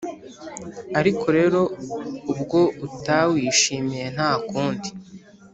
Ariko rero ubwo utawishimiye ntakundi,